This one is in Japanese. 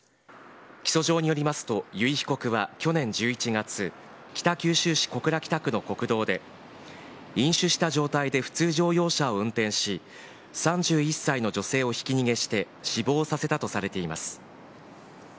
起訴状によりますと、由井被告は去年１１月、北九州市小倉北区の国道で、飲酒した状態で普通乗用車を運転し、３１歳の女性をひき逃げして、死亡させたとされています。